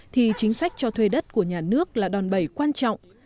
thì chính sách cho thuê đất của nhà nước là đòn bẩy quan trọng